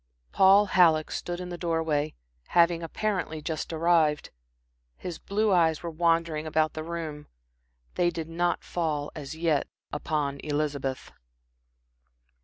Paul Halleck stood in the door way, having apparently just arrived. His blue eyes were wandering about the room. They did not fall, as yet, upon Elizabeth.